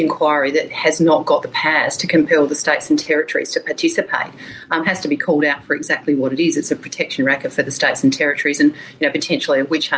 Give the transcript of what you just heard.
karena banyak keputusan yang mempengaruhi australia